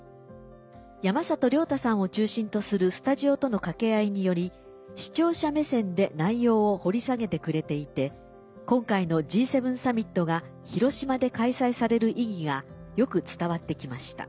山里亮太さんを中心とするスタジオとの掛け合いにより視聴者目線で内容を掘り下げてくれていて今回のＧ７サミットが広島で開催される意義がよく伝わってきました。